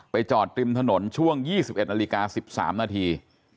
จอดริมถนนช่วง๒๑นาฬิกา๑๓นาที